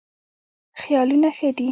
خیالونه ښه دي.